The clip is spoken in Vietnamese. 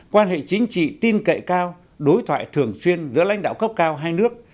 quan hệ chính trị tin cậy cao đối thoại thường xuyên giữa lãnh đạo cấp cao hai nước